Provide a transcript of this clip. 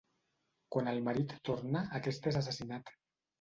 Quan el marit torna, aquest és assassinat.